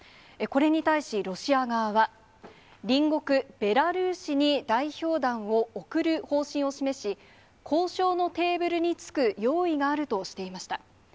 これに対しロシア側は、隣国、ベラルーシに代表団を送る方針を示し、交渉のテーブルに着く用意があるとしていました。